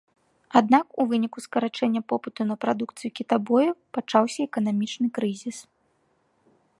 Аднак у выніку скарачэння попыту на прадукцыю кітабояў пачаўся эканамічны крызіс.